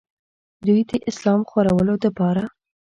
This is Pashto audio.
دوي د اسلام خورولو دپاره